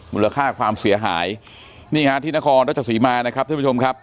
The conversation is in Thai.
มูลค่าความเสียหายนี่ฮะที่นครรัชศรีมานะครับท่านผู้ชมครับ